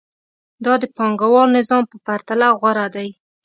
دا د پانګوال نظام په پرتله غوره دی